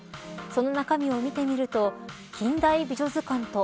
その中身を見てみると近大美女図鑑と